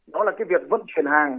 đó là việc vận chuyển hàng